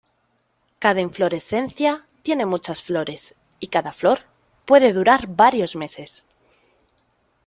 Cada inflorescencia tiene muchas flores y cada flor puede durar varios meses.